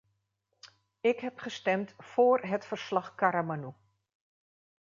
Ik heb gestemd voor het verslag-Karamanou.